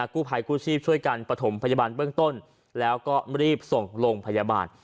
กู้ภัยกู้ชีพช่วยกันประถมพยาบาลเบื้องต้นแล้วก็รีบส่งลงพยาบาล